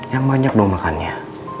yang banyak dong makannya